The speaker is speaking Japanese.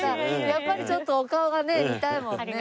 やっぱりちょっとお顔がね見たいもんね。